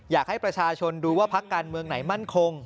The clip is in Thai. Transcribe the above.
อยากให้ประชาชนดูว่าพักการเมืองไหนมั่นคง